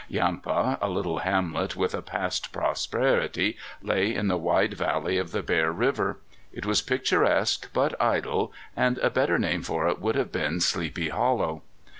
Yampa, a little hamlet with a past prosperity, lay in the wide valley of the Bear River. It was picturesque but idle, and a better name for it would have been Sleepy Hollow.